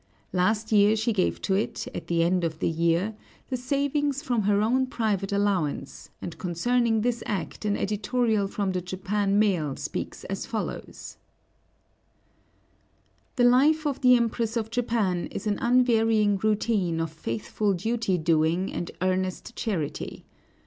Last year she gave to it, at the end of the year, the savings from her own private allowance, and concerning this act an editorial from the "Japan Mail" speaks as follows: "The life of the Empress of Japan is an unvarying routine of faithful duty doing and earnest charity.